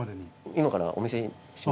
今からお見せします。